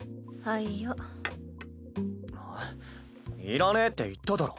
いらねぇって言っただろ。